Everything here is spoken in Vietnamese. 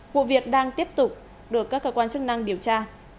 vụ việc đang tiếp tục được các cơ quan chức năng điều tra